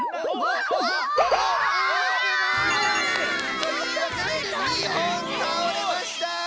わっ！というわけで２ほんたおれました！